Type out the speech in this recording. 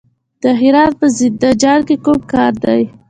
د هرات په زنده جان کې کوم کان دی؟